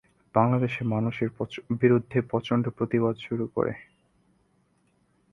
বাংলাদেশে মানুষ এর বিরুদ্ধে প্রচণ্ড প্রতিবাদ শুরু করে।